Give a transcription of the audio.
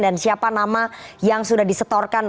dan siapa nama yang sudah disetorkan